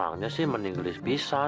anaknya sih mending gelis bisan